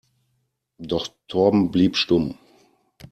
Doch Torben blieb stumm.